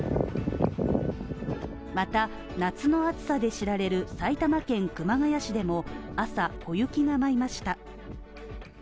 また、夏の暑さで知られる埼玉県熊谷市でも朝、小雪が舞いました。